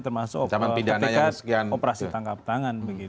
termasuk ketika operasi tangkap tangan